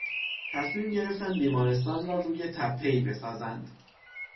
تصمیم گرفتند بیمارستان را روی تپهای بسازند.